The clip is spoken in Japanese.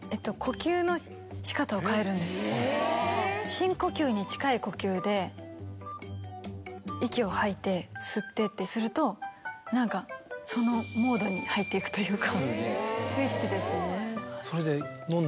深呼吸に近い呼吸で、息を吐いて、吸ってってするとそのモードに入っていくというか。